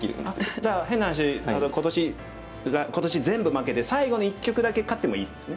じゃあ変な話今年全部負けて最後の一局だけ勝ってもいいんですね。